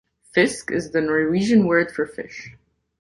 "Fisk" is the Norwegian word for "fish.